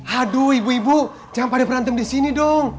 aduh ibu ibu jangan pada berantem di sini dong